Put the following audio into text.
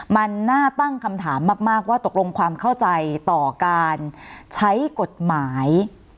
มันน่าตั้งคำถามมากว่าตกลงความเข้าใจต่อการใช้กฎหมาย